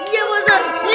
iya pak ustadz